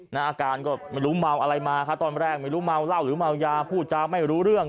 อาการก็ไม่รู้เมาอะไรมาครับตอนแรกไม่รู้เมาเหล้าหรือเมายาพูดจาไม่รู้เรื่อง